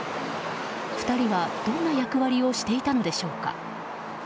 ２人はどんな役割をしていたのでしょうか。